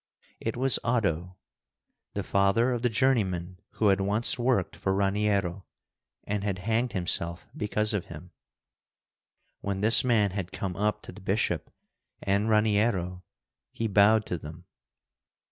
It was Oddo, the father of the journeyman who had once worked for Raniero, and had hanged himself because of him. When this man had come up to the bishop and Raniero, he bowed to them.